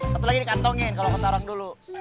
satu lagi dikantongin kalo ketarang dulu